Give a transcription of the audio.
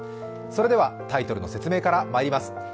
それではタイトルの説明からまいります。